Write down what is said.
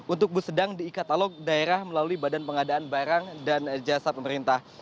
untuk bus sedang diikatalog daerah melalui badan pengadaan barang dan jasa pemerintah